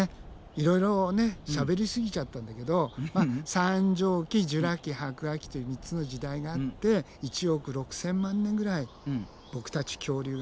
いろいろしゃべりすぎちゃったんだけど三畳紀ジュラ紀白亜紀という３つの時代があって１億６，０００万年ぐらいボクたち恐竜がね